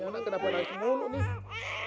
anak kenapa naik semurung nih